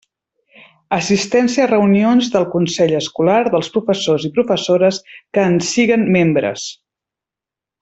Assistència a reunions del consell escolar dels professors i professores que en siguen membres.